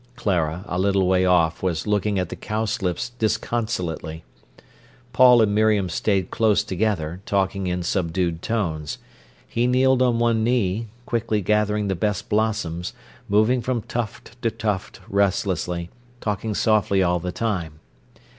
Clara, a little way off, was looking at the cowslips disconsolately. Paul and Miriam stayed close together, talking in subdued tones. He kneeled on one knee, quickly gathering the best blossoms, moving from tuft to tuft restlessly, talking softly all the time.